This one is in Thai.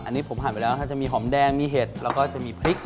อันนี้ผมผ่านไปแล้วถ้าจะมีหอมแดงมีเห็ดแล้วก็จะมีพริก